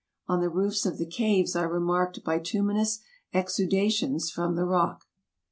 On the roofs of the caves I remarked bituminous exudations from the rock.